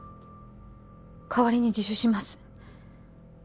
代わりに自首します